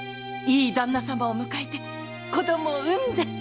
いい旦那様を迎えて子供を産んで。